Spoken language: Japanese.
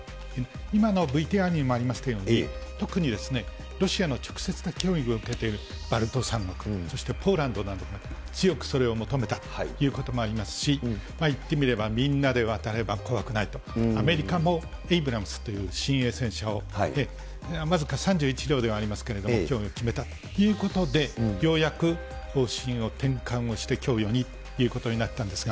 今のＶＴＲにもありましたように、特にロシアの直接的な脅威を受けているバルト３国、そしてポーランドなどが強くそれを求めたということもありますし、いってみればみんなで渡れば怖くないと、アメリカもエイブラムスという新鋭戦車を僅か３１両ではありますけれども、供与を決めたということで、ようやく方針を転換をして、供与にということになったんですが。